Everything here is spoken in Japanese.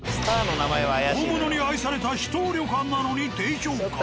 大物に愛された秘湯旅館なのに低評価。